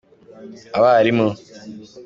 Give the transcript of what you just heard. abarimu.